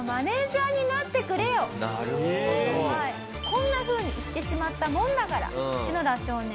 こんなふうに言ってしまったもんだからシノダ少年